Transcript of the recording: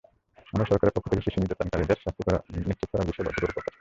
আমরা সরকারের পক্ষ থেকে শিশু নির্যাতনকারীদের শাস্তি নিশ্চিত করার বিষয়ে বদ্ধপরিকর।